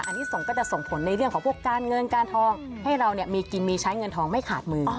อันนี้ส่งก็จะส่งผลในเรื่องของพวกการเงินการทองให้เรามีกินมีใช้เงินทองไม่ขาดมือ